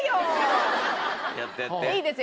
いいですよ